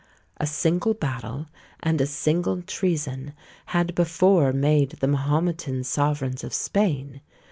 A single battle, and a single treason, had before made the Mahometans sovereigns of Spain.